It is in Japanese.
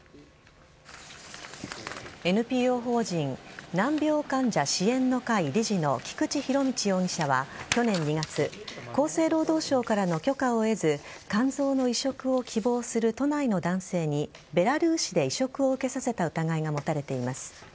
ＮＰＯ法人難病患者支援の会理事の菊池仁達容疑者は去年２月厚生労働省からの許可を得ず肝臓の移植を希望する都内の男性にベラルーシで移植を受けさせた疑いが持たれています。